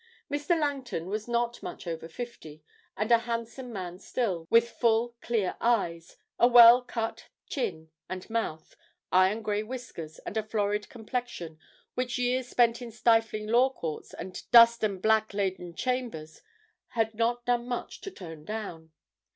Mr. Langton was not much over fifty, and a handsome man still, with full clear eyes, a well cut chin and mouth, iron grey whiskers, and a florid complexion which years spent in stifling law courts and dust and black laden chambers had not done much to tone down.